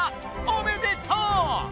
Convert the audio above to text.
おめでとう！